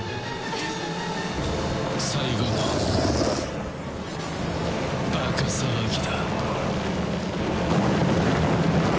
最後の馬鹿騒ぎだ。